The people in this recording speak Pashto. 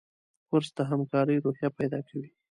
کورس د همکارۍ روحیه پیدا کوي.